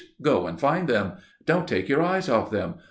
Go and find them. Don't take your eyes off them.